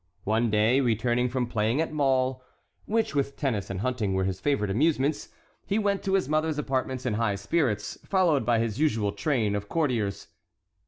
One day, returning from playing at mall, which with tennis and hunting were his favorite amusements, he went to his mother's apartments in high spirits, followed by his usual train of courtiers.